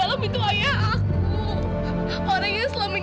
kalung itu gak boleh hilang